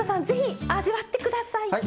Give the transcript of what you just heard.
ぜひ、味わってください。